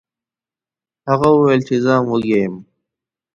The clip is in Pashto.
هغه وویل چې زه هم وږی یم.